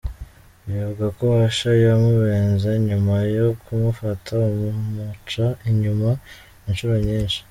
Bivugwa ko Usher yamubenze nyuma yo kumufata amuca inyuma inshuro nyinshi.